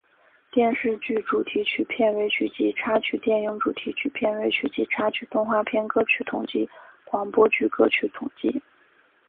电视剧主题曲片尾曲及插曲电影主题曲片尾曲及插曲动画片歌曲统计广播剧歌曲统计